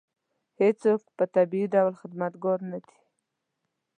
هېڅوک په طبیعي ډول خدمتګار نه دی.